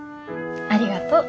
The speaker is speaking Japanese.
ありがとう。